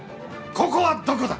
ここはどこだ？